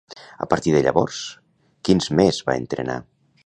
A partir de llavors, quins més va entrenar?